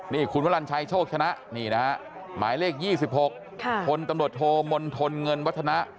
นี่คุณวรรณชัยโชคชนะนี่นะฮะหมายเลข๒๖พลตำรวจโทมนทนเงินวัฒนะ